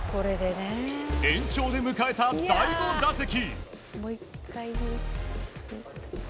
延長で迎えた第５打席。